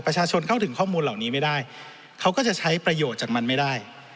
ประชาชนเข้าถึงข้อมูลเหล่านี้ไม่ได้เขาก็จะใช้ประโยชน์จากมันไม่ได้